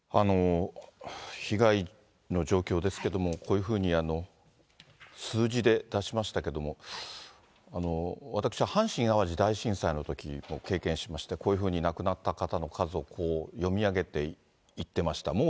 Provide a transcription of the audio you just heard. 被害の状況ですけれども、こういうふうに数字で出しましたけれども、私、阪神・淡路大震災のときも経験しまして、こういうふうに亡くなった方の数を読み上げていっていました。